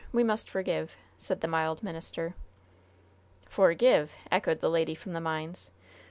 We must forgive," said the mild minister. "'Forgive!'" echoed the lady from the mines.